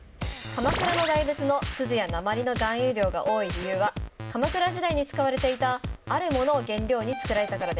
鎌倉の大仏の錫や鉛の含有量が多い理由は鎌倉時代に使われていたある物を原料に造られたからです。